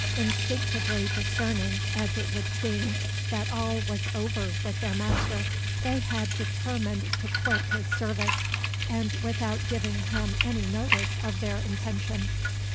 "Instinctively discerning, as it would seem, that all was over with their master, they had determined to quit his service, and without giving him any notice of their intention.